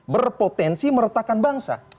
berpotensi meretakan bangsa